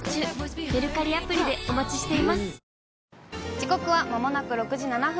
時刻はまもなく６時７分。